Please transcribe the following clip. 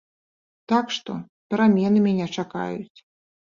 Так што, перамены мяне чакаюць.